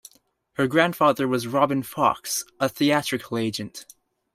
Her grandfather was Robin Fox, a theatrical agent.